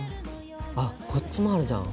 あっこっちもあるじゃん。